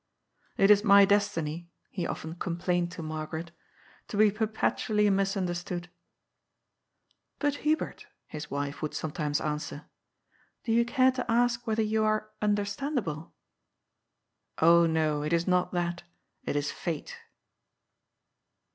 ^' It is my destiny," he often complained to Margaret, ^'to be perpetually misunder stood." ^ But, Hubert," his wife would sometimes answer, ^Mo you care to ask whether you are understandable?" *^ Oh, no ; it is not that. It is fate."